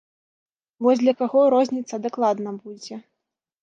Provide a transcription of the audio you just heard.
Вось для каго розніца дакладна будзе.